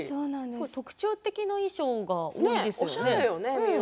特徴的なお衣装が多いですよね。